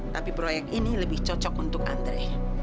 tapi proyek ini lebih cocok untuk andre